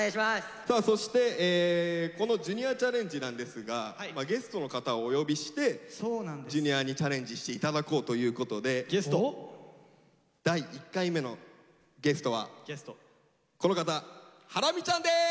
そしてこの「ジュニアチャレンジ」なんですがゲストの方をお呼びしてＪｒ．にチャレンジして頂こうということで第１回目のゲストはこの方ハラミちゃんです！